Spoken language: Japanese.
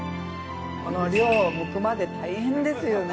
この量剥くまで大変ですよね。